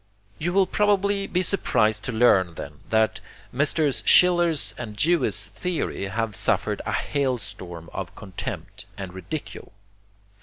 You will probably be surprised to learn, then, that Messrs. Schiller's and Dewey's theories have suffered a hailstorm of contempt and ridicule.